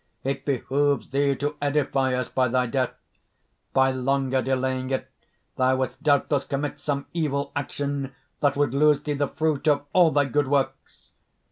it behooves thee to edify us by thy death! By longer delaying it, thou wouldst doubtless commit some evil action that would lose thee the fruit of all thy good works.